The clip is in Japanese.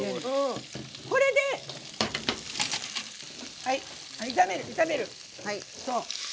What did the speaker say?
これで炒める。